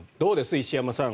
石山さん